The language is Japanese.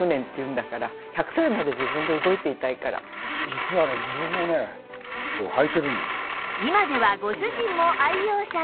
実はね自分もねはいてるんですよ。